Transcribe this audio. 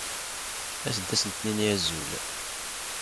As-d ad asent-nini azul.